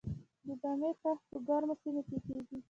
د بامیې کښت په ګرمو سیمو کې کیږي؟